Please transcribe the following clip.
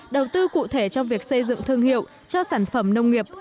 đầu tư cụ thể cho việc xây dựng thương hiệu cho sản phẩm nông nghiệp